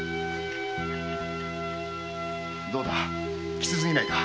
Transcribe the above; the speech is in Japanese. きつ過ぎないか？